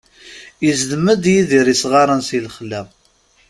Izdem-d Yidir isɣaren si lexla.